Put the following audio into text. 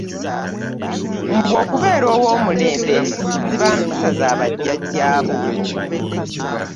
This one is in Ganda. Mbu okubeera ow'omulembe, dibya empisa za bajjajjaabo